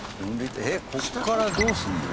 えっここからどうするの？